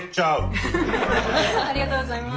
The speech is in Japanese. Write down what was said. ありがとうございます。